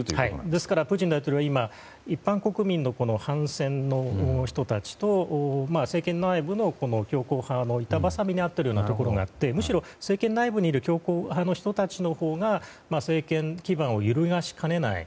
ですからプーチン大統領は一般国民の反戦の人たちと政権内部の強硬派の板挟みにあっているところがあってむしろ、政権内部にいる強硬派の人たちのほうが政権基盤を揺るがしかねない。